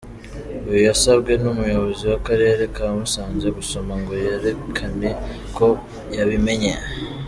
Uyu yasabwe n’umuyobozi w’akarere ka Musanze gusoma ngo yerekane ko koko yabimenye.